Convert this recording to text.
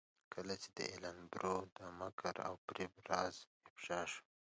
کله چې د ایلن برو د مکر او فریب راز افشا شو.